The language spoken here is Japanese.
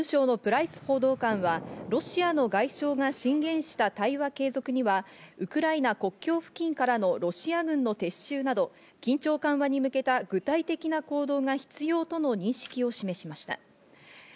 国務省のプライス報道官はロシアの外相が進言した対話継続にはウクライナ国境付近からのロシア軍の撤収など、緊張緩和に向けた、具体的な行動が必要との認識を示しました。